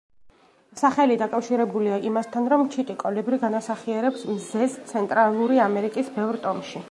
სახელი დაკავშირებულია იმასთან, რომ ჩიტი კოლიბრი განასახიერებს მზეს ცენტრალური ამერიკის ბევრ ტომში.